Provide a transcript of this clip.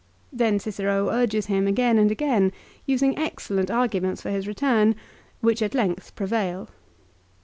2 Then Cicero urges him again and again, using excellent arguments for his return, which at length prevail.